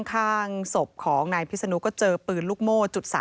ข้างศพของนายพิศนุก็เจอปืนลูกโม่๓